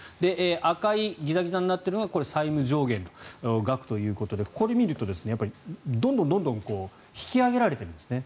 赤いギザギザになっているのが債務上限の額ということでこれ見ると、やっぱりどんどん引き上げられてるんですね。